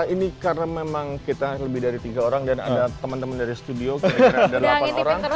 ini karena memang kita lebih dari tiga orang dan ada teman teman dari studio kira kira ada delapan orang